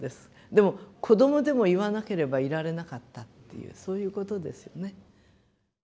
でも子どもでも言わなければいられなかったっていうそういうことですよね。